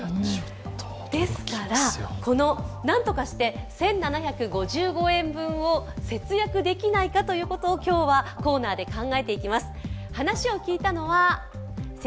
ですから、なんとかして１７５５円分を節約できないかということをコーナーで考えていきます。